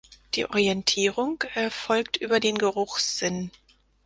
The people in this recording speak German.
Die Orientierung erfolgt über den Geruchssinn.